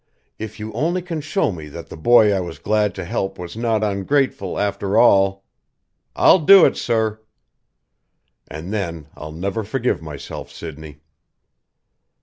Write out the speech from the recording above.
If you only can show me that the boy I was glad to help was not ungrateful, after all " "I'll do it, sir!" "And then I'll never forgive myself, Sidney!"